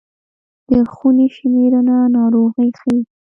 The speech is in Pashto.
د خونې شمېرنه ناروغي ښيي.